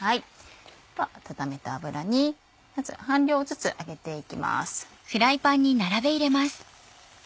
では温めた油にまず半量ずつ揚げていきます。